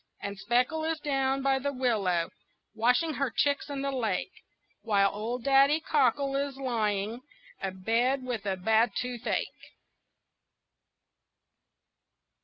And Speckle is down by the willow Washing her chicks in the lake, While old Daddy Cockle is lying Abed with a bad toothache.